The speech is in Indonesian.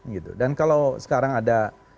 gitu dan kalau sekarang ada